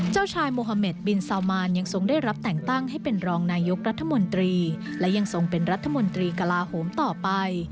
เจ้าชายโมฮาเมดบินซาวมานยังทรงได้รับแต่งตั้งให้เป็นรองนายกรัฐมนตรีและยังทรงเป็นรัฐมนตรีกลาโหมต่อไป